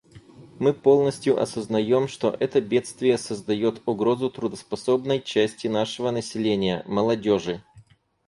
Мы полностью осознаем, что это бедствие создает угрозу трудоспособной части нашего населения — молодежи.